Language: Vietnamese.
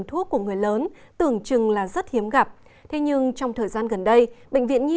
thuốc của người lớn tưởng chừng là rất hiếm gặp thế nhưng trong thời gian gần đây bệnh viện nhi